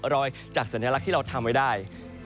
รอยจากสัญลักษณ์ที่เราทำไว้ได้